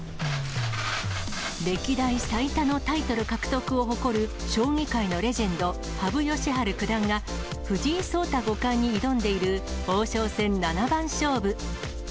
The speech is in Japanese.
歴代最多のタイトル獲得を誇る将棋界のレジェンド、羽生善治九段が藤井聡太五冠に挑んでいる王将戦七番勝負。